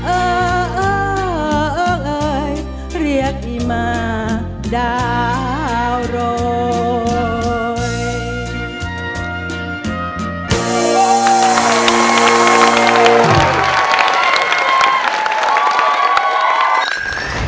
เอ่อเอ่อเอ่อเอ่อเอ่ยเรียกอีมาดาวโรย